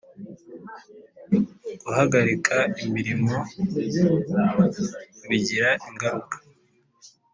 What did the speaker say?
guhagarika imirimo bigira ingaruka